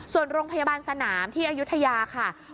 ส่วนโรงพยาบาลสนามที่อายุทยาค่ะ